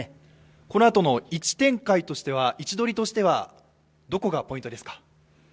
このあとの位置展開、位置取りとしてはどこがポイントですか？